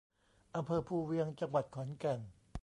อำเภอภูเวียง จังหวัดขอนแก่น